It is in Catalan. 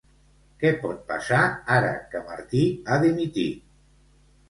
Què pot passar ara que Martí ha dimitit?